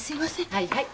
はいはい。